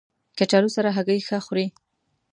کچالو سره هګۍ ښه خوري